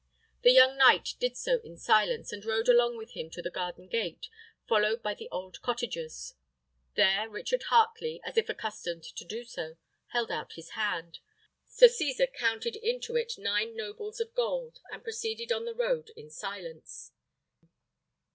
The young knight did so in silence, and rode along with him to the garden gate, followed by the old cottagers. There Richard Heartley, as if accustomed so to do, held out his hand; Sir Cesar counted into it nine nobles of gold, and proceeded on the road in silence.